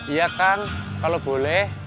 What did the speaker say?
iya kang kalau boleh